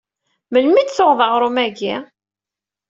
Melmi i d-tuɣeḍ aɣrum-agi?